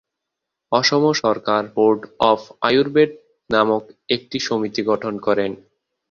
অসম সরকার board of Ayurveda নামক একটি সমিতি গঠন করেন।